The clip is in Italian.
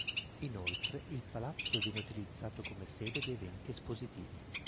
Inoltre il palazzo viene utilizzato come sede di eventi espositivi.